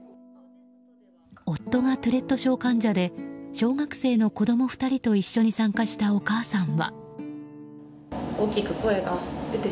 夫がトゥレット症患者で小学生の子供２人と一緒に参加したお母さんは。